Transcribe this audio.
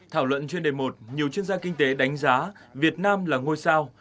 thảo luận chuyên đề một nhiều chuyên gia kinh tế đánh giá việt nam là ngôi sao